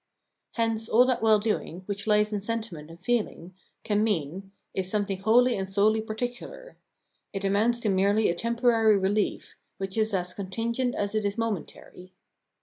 Hence all that well doing, which lies in sentiment and feeling, can mean, is something wholly and solely particular ; it amounts to merely a temporary relief, which is as contingent as it is momentary.